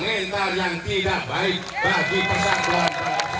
mental mental yang tidak baik bagi pesakuan